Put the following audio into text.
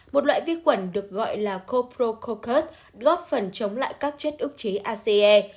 một loại vi khuẩn được gọi là coprococcus góp phần chống lại các chất ức chế ace